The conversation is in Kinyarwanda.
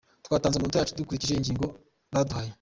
Twatanze amanota yacu dukurikije ingingo baduhaye.